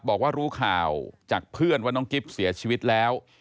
บอกว่ารู้ข่าวจากเพื่อนว่าน้องกิ๊บเสียชีวิตแล้ว